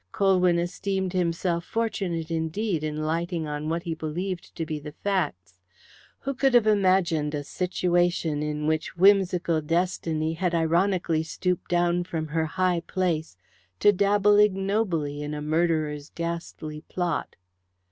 Colwyn esteemed himself fortunate indeed in lighting on what he believed to be the facts. Who could have imagined a situation in which whimsical Destiny had ironically stooped down from her high place to dabble ignobly in a murderer's ghastly plot?